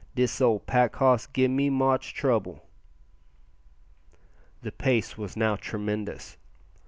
"Dis old pack hoss give me moche trobel." The pace was now tremendous.